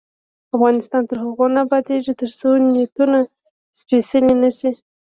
افغانستان تر هغو نه ابادیږي، ترڅو نیتونه سپیڅلي نشي.